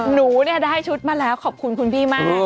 หนูเนี่ยได้ชุดมาแล้วขอบคุณคุณพี่มาก